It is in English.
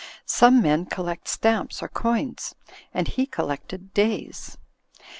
Some men collect stamps or coins, and he collected days.